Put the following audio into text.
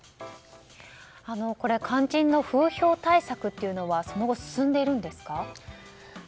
これ、肝心の風評対策というのはその後、進んでいるんですか？